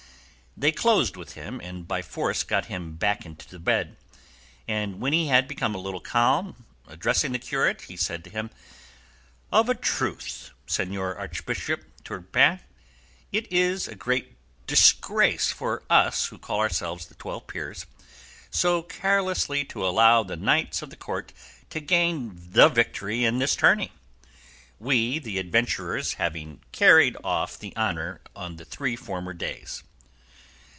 They closed with him and by force got him back to bed, and when he had become a little calm, addressing the curate, he said to him, "Of a truth, Señor Archbishop Turpin, it is a great disgrace for us who call ourselves the Twelve Peers, so carelessly to allow the knights of the Court to gain the victory in this tourney, we the adventurers having carried off the honour on the three former days."